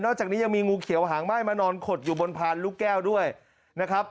จากนี้ยังมีงูเขียวหางไหม้มานอนขดอยู่บนพานลูกแก้วด้วยนะครับ